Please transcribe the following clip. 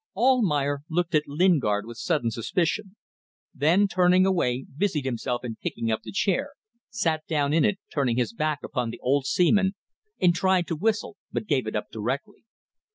Almayer looked at Lingard with sudden suspicion, then turning away busied himself in picking up the chair, sat down in it turning his back upon the old seaman, and tried to whistle, but gave it up directly.